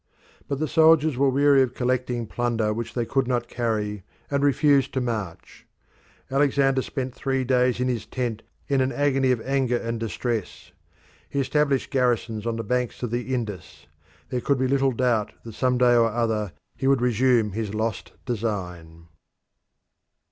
But the soldiers were weary of collecting plunder which they could not carry, and refused to march. Alexander spent three days in his tent in an agony of anger and distress. He established garrisons on the banks of the Indus; there could be little doubt that some day or other he would resume his lost design.